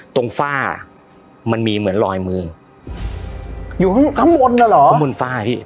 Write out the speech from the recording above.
ฝ้ามันมีเหมือนลอยมืออยู่ข้างข้างบนน่ะเหรอข้างบนฝ้าพี่